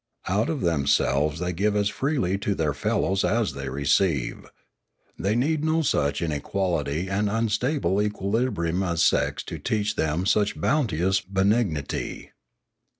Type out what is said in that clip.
Out of themselves they give as freely to their fellows as they receive. They need no such inequality and unstable equilibrium as sex to teach them such bounteous benignity.